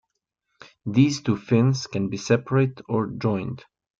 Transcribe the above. These two fins can be separate or joined.